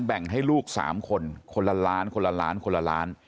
แบ่งให้ลูก๓คนคนละล้านคนละล้านคนละล้าน